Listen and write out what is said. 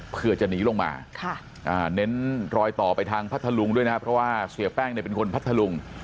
เพื่อจะหนีลงมาเน้นรอยต่อไปทางพัทธลุงด้วยนะครับเพราะว่าเสียแป้งเป็นคนพัทธลุง